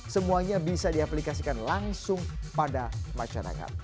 semuanya bisa diaplikasikan langsung pada masyarakat